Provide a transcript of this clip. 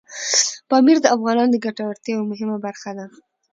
پامیر د افغانانو د ګټورتیا یوه مهمه برخه ده.